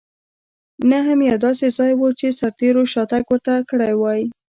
نه هم یو داسې ځای و چې سرتېرو شاتګ ورته کړی وای.